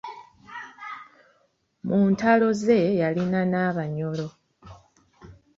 Mu ntalo ze yalina n’Abanyoro.